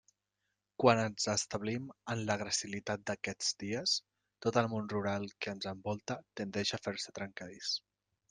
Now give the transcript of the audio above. Quan ens establim en la gracilitat d'aquests dies, tot el món rural que ens envolta tendeix a fer-se trencadís.